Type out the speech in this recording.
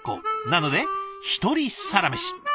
なので１人サラメシ。